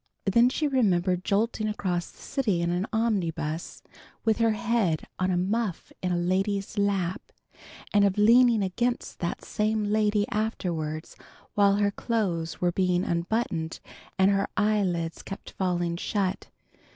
Then she remembered jolting across the city in an omnibus, with her head on a muff in a lady's lap, and of leaning against that same lady afterwards while her clothes were being unbuttoned, and her eyelids kept falling shut.